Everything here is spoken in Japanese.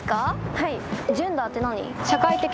はい。